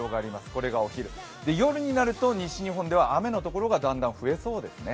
これがお昼、夜になると西日本では雨のところが増えそうですね。